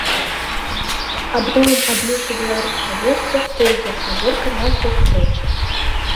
Аб новым абліччы беларускай вёскі пойдзе гаворка на сустрэчы.